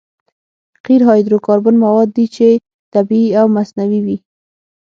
قیر هایدرو کاربن مواد دي چې طبیعي او مصنوعي وي